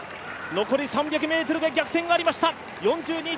残り３００ｍで逆転がありました。４２．１９５